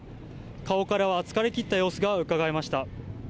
顔からは疲れ切った様子がうかがえました。